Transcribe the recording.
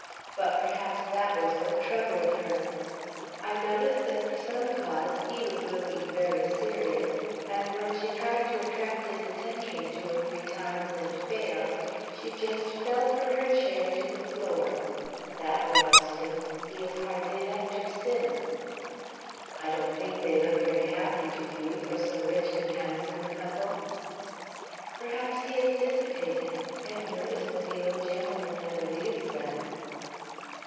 But perhaps that was what troubled her. I noticed that for some cause he was looking very serious and when she had tried to attract his attention two or three times and failed, she just fell from her chair to the floor. That roused him. He has hardly left her since." "I don't think they look very happy, do you, for so rich and handsome a couple?" "Perhaps he is dissipated. I have noticed that the old gentleman never leaves them."